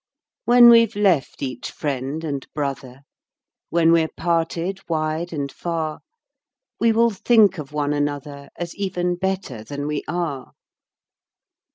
When we've left each friend and brother, When we're parted wide and far, We will think of one another, As even better than we are.